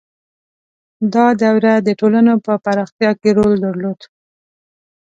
• دا دوره د ټولنو په پراختیا کې رول درلود.